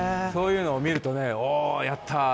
そういうのを見るとおお、やった！